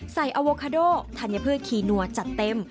อโวคาโดธัญพืชคีนัวจัดเต็ม